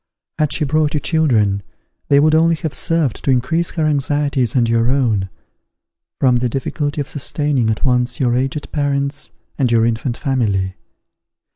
Had she brought you children, they would only have served to increase her anxieties and your own, from the difficulty of sustaining at once your aged parents and your infant family.